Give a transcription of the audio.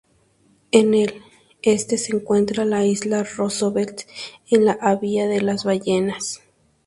En el este se encuentra la isla Roosevelt, en la bahía de las Ballenas.